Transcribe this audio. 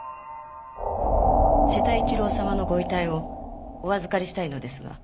瀬田一郎様のご遺体をお預かりしたいのですが。